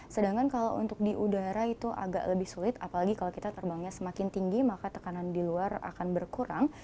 sedangkan kalau untuk di udara itu agak lebih sulit apalagi kalau kita terbangnya semakin tinggi maka tekanan di luar akan berkurang